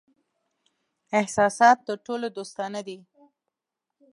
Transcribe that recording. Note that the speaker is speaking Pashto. احساسات تر ټولو دوستانه دي.